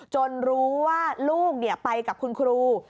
รู้ว่าลูกไปกับคุณครู